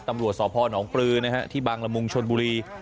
ตำรวจสพนปลือนะฮะที่บางละมุงชนบุรี